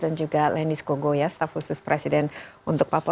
dan juga leni skogo ya staf khusus presiden untuk papua